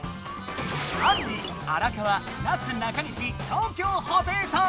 あんり荒川なすなかにし東京ホテイソン！